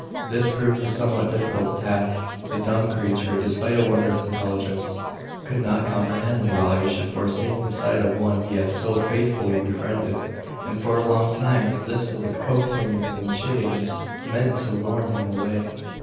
This proved a somewhat difficult task. The dumb creature, despite a wondrous intelligence, could not comprehend why he should forsake the side of one he had so faithfully befriended; and for a long time resisted the coaxings and chidings, meant to warn him away.